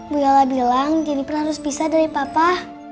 bu yola bilang jadi harus pisah dari papa